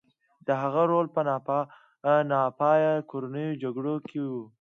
د هغه رول په ناپایه کورنیو جګړو کې و.